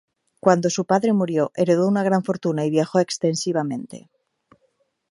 Cuando su padre murió, heredó una gran fortuna y viajó extensivamente.